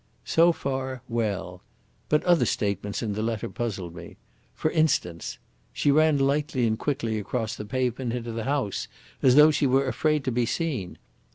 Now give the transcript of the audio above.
So far well. But other statements in the letter puzzled me. For instance, 'She ran lightly and quickly across the pavement into the house, as though she were afraid to be seen.'